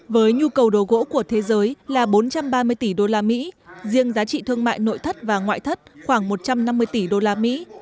với nhu cầu đồ gỗ của thế giới là bốn trăm ba mươi tỷ đô la mỹ riêng giá trị thương mại nội thất và ngoại thất khoảng một trăm năm mươi tỷ đô la mỹ